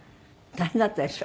大変だったでしょう？